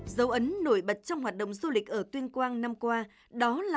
giấu ấn nổi bật trong hoạt động du lịch ở tuyên quang năm qua